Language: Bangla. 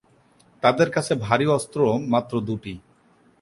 তাদের কাছে ভারী অস্ত্র মাত্র দুটি।